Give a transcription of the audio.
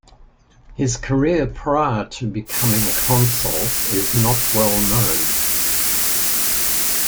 His career prior to becoming consul is not well known.